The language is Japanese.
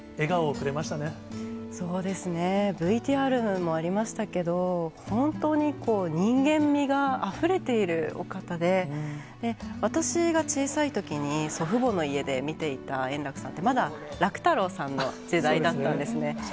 ＶＴＲにもありましたけど、本当に人間味があふれているお方で、私が小さいときに祖父母の家で見ていた円楽さんって、まだ楽太郎さんの時代だったんですね。